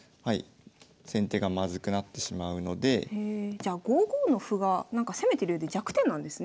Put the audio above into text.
じゃあ５五の歩が攻めてるようで弱点なんですね。